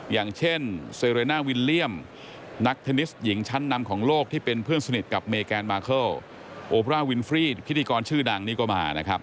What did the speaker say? อย่างเช่นเซเรน่าวิลเลี่ยมนักเทนนิสหญิงชั้นนำของโลกที่เป็นเพื่อนสนิทกับเมแกนมาเคิลโอบราวินฟรีดพิธีกรชื่อดังนี่ก็มานะครับ